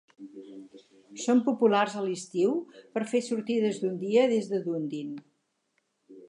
Són populars a l'estiu per fer sortides d'un dia des de Dunedin.